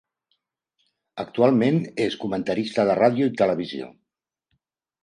Actualment, és comentarista de ràdio i televisió.